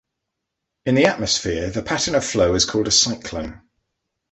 In the atmosphere, the pattern of flow is called a cyclone.